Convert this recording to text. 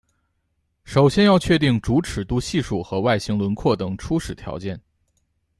首先要确定主尺度系数和外形轮廓等初始条件。